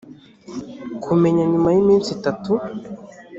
kumenya nyuma y iminsi itatu